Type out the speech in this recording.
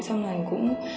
xong rồi cũng